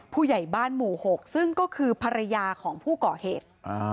ผู้ใหญ่บ้านหมู่๖ซึ่งก็คือภรรยาของผู้ก่อเหตุ